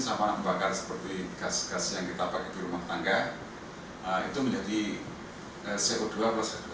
sama pembakar seperti gas gas yang kita pakai di rumah tangga itu menjadi co dua plus co dua